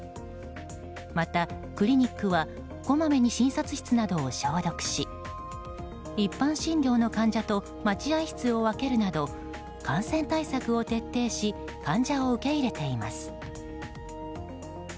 また、クリニックはこまめに診察室などを消毒し一般診療の患者と待合室を分けるなど感染対策を徹底し患者を受け入れています。